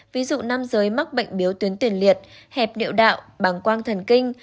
ví dụ nam giới mắc bệnh biếu tuyến tuyển liệt hẹp niệu đạo bằng quang thần kinh